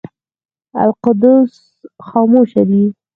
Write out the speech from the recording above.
القدس خاموشه دی.